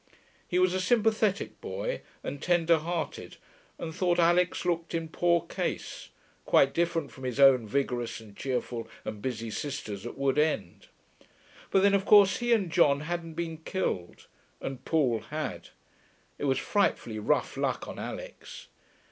He was a sympathetic boy, and tender hearted, and thought Alix looked in poor case; quite different from his own vigorous and cheerful and busy sisters at Wood End. But then of course he and John hadn't been killed, and Paul had. It was frightfully rough luck on Alix.